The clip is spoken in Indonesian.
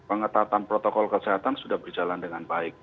pengetatan protokol kesehatan sudah berjalan dengan baik